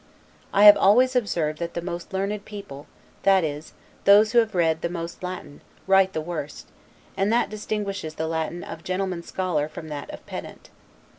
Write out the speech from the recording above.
I have always observed that the most learned people, that is, those who have read the most Latin, write the worst; and that distinguishes the Latin of gentleman scholar from that of a pedant.